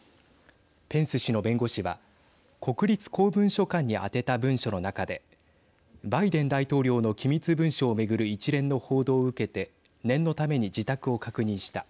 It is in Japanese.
ペンス氏の弁護士は国立公文書館に宛てた文書の中でバイデン大統領の機密文書を巡る一連の報道を受けて念のために自宅を確認した。